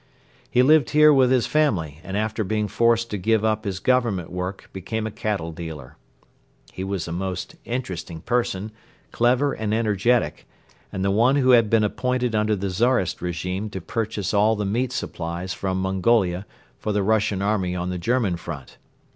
He lived here with his family and after being forced to give up his government work became a cattle dealer. He was a most interesting person, clever and energetic, and the one who had been appointed under the Czarist regime to purchase all the meat supplies from Mongolia for the Russian Army on the German Front.